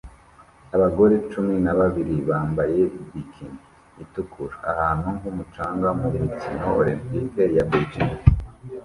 Abagore cumi na babiri bambaye bikini itukura ahantu h'umucanga mu mikino Olempike ya Beijing